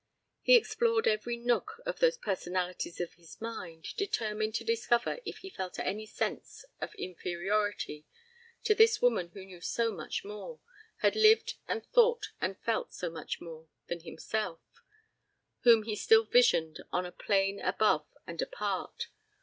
He explored every nook of those personalities of his, determined to discover if he felt any sense of inferiority to this woman who knew so much more, had lived and thought and felt so much more, than himself whom he still visioned on a plane above and apart.